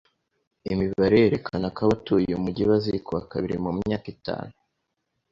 Imibare yerekana ko abatuye uyu mujyi bazikuba kabiri mu myaka itanu.